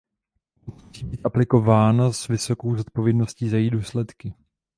Pomoc musí být aplikována s vysokou zodpovědností za její důsledky.